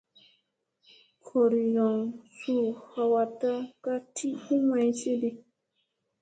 Gooryoŋ suu hawɗa ka ti u maysiiɗi.